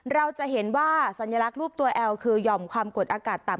เราจะเห็นว่าสัญลักษณ์รูปตัวแอลคือหย่อมความกดอากาศต่ำ